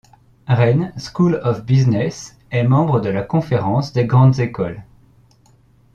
Rennes School of Business est membre de la Conférence des grandes écoles.